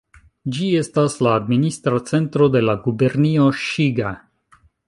Ĝi estas la administra centro de la gubernio Ŝiga.